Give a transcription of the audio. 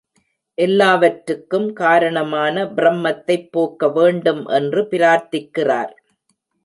எல்லாவற்றுக்கும் காரணமான ப்ரமத்தைப் போக்க வேண்டும் என்று பிரார்த்திக்கிறார்.